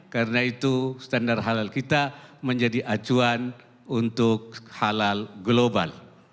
karena itu standar halal kita menjadi acuan untuk halal global